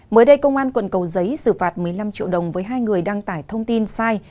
mới đây công an quận cầu giấy xử phạt một mươi năm triệu đồng với hai người đăng tải thông tin sai